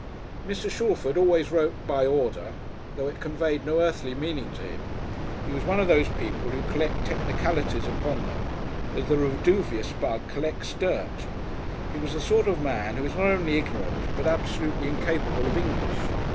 Mr. Shalford always wrote "By order," though it conveyed no earthly meaning to him. He was one of those people who collect technicalities upon them as the Reduvius bug collects dirt. He was the sort of man who is not only ignorant, but absolutely incapable of English.